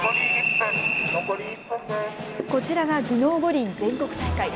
こちらが技能五輪全国大会。